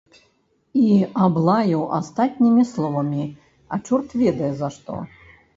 І аблаяў астатнімі словамі, а чорт ведае за што.